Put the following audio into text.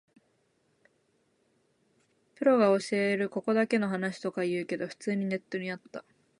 プロが教えるここだけの話とか言うけど、普通にネットにあった